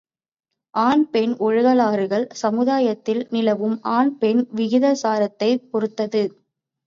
ஆண் பெண் ஒழுகலாறுகள் சமுதாயத்தில் நிலவும் ஆண் பெண் விகிதாசாரத்தைப் பொருத்தது.